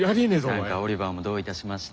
何かオリバーも「どういたしまして」